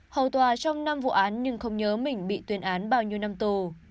hầu tòa trong năm vụ án nhưng không nhớ mình bị tuyên án bao nhiêu năm tù